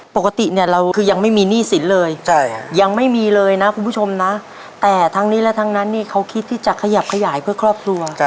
ปกติเนี่ยเราคือยังไม่มีหนี้สินเลยยังไม่มีเลยนะคุณผู้ชมนะแต่ทั้งนี้และทั้งนั้นนี่เขาคิดที่จะขยับขยายเพื่อครอบครัว